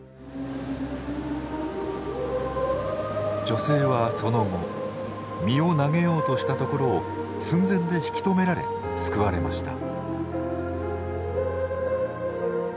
女性はその後身を投げようとしたところを寸前で引き止められ救われました。